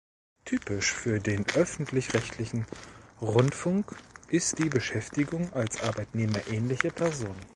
Typisch für den öffentlich-rechtlichen Rundfunk ist die Beschäftigung als arbeitnehmerähnliche Person.